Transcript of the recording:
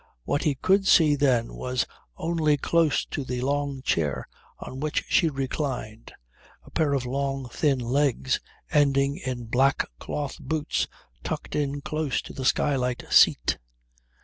What he could see then was only, close to the long chair on which she reclined, a pair of long, thin legs ending in black cloth boots tucked in close to the skylight seat.